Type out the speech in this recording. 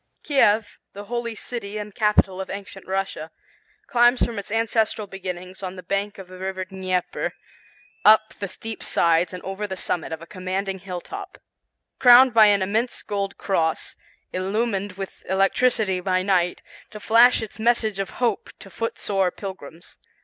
Kiev, the holy city and capital of Ancient Russia, climbs from its ancestral beginnings, on the banks of the River Dneiper, up the steep sides and over the summit of a commanding hilltop, crowned by an immense gold cross, illumined with electricity by night, to flash its message of hope to foot sore pilgrims.